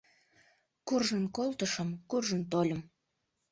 Куржын колтышым, куржын тольым